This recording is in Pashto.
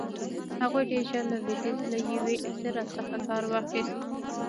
هغوی ډېر ژر له لوېدیځ له یوې اختراع څخه کار واخیست.